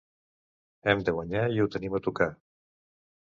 Hem de guanyar i ho tenim a tocar.